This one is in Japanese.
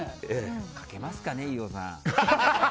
かけますかね、飯尾さん。